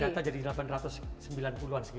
jadi data jadi delapan ratus sembilan puluh an sekian